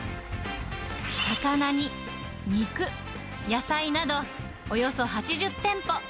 魚に肉、野菜など、およそ８０店舗。